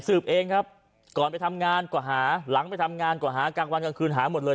เองครับก่อนไปทำงานก็หาหลังไปทำงานก็หากลางวันกลางคืนหาหมดเลย